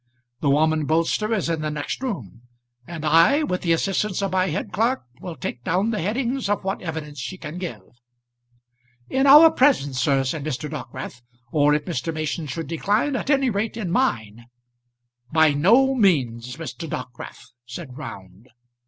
The woman Bolster is in the next room, and I, with the assistance of my head clerk, will take down the headings of what evidence she can give." "In our presence, sir," said Mr. Dockwrath; "or if Mr. Mason should decline, at any rate in mine." "By no means, Mr. Dockwrath," said Round.